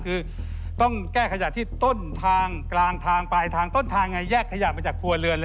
คือต้องแก้ขยะที่ต้นทางกลางทางปลายทางต้นทางไงแยกขยะมาจากครัวเรือนเลย